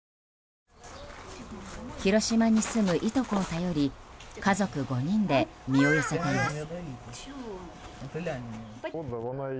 広島に住むいとこを頼り家族５人で身を寄せています。